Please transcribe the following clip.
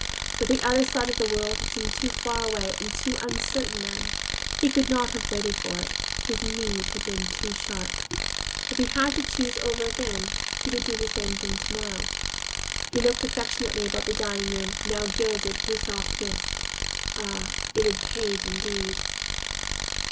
But the other side of the world had seemed too far away and too uncertain then; he could not have waited for it; his need had been too sharp. If he had to choose over again, he would do the same thing tomorrow. He looked affectionately about the dining room, now gilded with a soft mist. Ah, it had paid indeed!